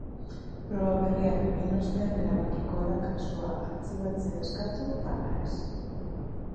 Proba berriak egin ostean erabakiko du kasua artxibatzea eskatu ala ez.